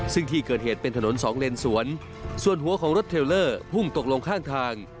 ซึ่งที่เกิดเหตุเป็นถนนสองเลนสวนส่วนหัวของรถเทลเลอร์พุ่งตกลงข้างทาง